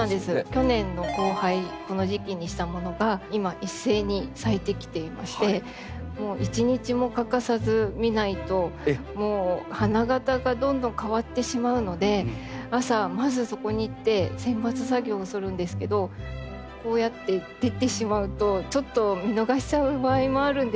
去年の交配この時期にしたものが今一斉に咲いてきていまして一日も欠かさず見ないともう花形がどんどん変わってしまうので朝まずそこに行って剪伐作業をするんですけどこうやって出てしまうとちょっと見逃しちゃう場合もあるんですが。